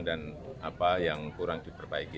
dan yang kurang diperbaiki